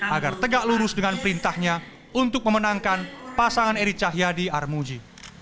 agar tegak lurus dengan perintahnya untuk memenangkan pasangan eri cahyadi armuji